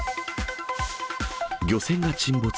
漁船が沈没。